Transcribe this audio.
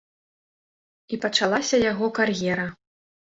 І пачалася яго кар'ера.